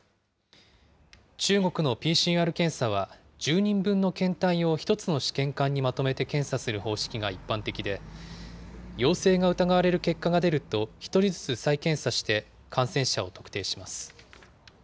中国のＰＣＲ検査は、１０人分の検体を１つの試験管にまとめて検査する方式が一般的で、陽性が疑われる結果が出ると、１人ずつ再検査して、感染者を特定します。